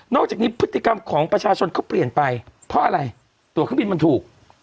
อกจากนี้พฤติกรรมของประชาชนเขาเปลี่ยนไปเพราะอะไรตัวเครื่องบินมันถูก